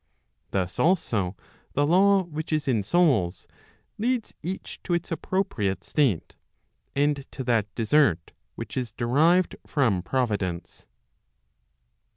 Thus also the law which is in souls leads each to its appropriate state, and to that desert which is derived from Providence.